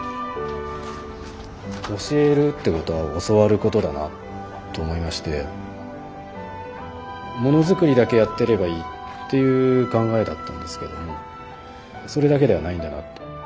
教えるってことは教わることだなと思いましてものづくりだけやってればいいっていう考えだったんですけどもそれだけではないんだなって。